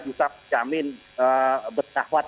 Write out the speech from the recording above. bisa jamin bersahwat